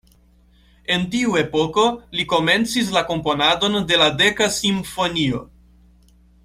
En tiu epoko, li komencis la komponadon de la "Deka Simfonio".